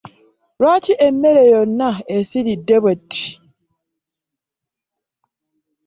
Lwaki emmere yonna esiridde bwe ti?